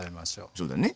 そうだね。